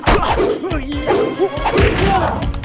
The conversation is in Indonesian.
gak lagi dah cuman